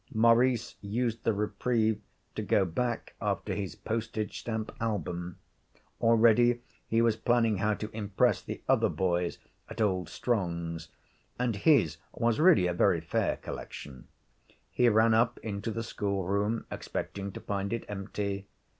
Maurice used the reprieve to go back after his postage stamp album. Already he was planning how to impress the other boys at old Strong's, and his was really a very fair collection. He ran up into the schoolroom, expecting to find it empty.